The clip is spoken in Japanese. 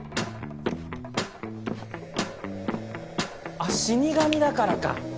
あっ、『死神』だからか！